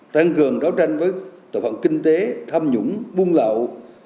tăng cường đấu tranh với tội phạm kinh tế tham nhũng buôn lậu